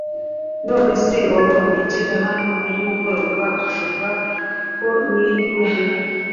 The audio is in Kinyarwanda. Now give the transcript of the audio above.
None se wabonye ngera hano nimugoroba ukeka ko niriwe he?